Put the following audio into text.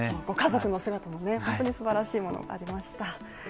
ご家族の姿も本当にすばらしいものがありました。